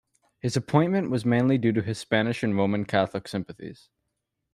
His appointment was mainly due to his Spanish and Roman Catholic sympathies.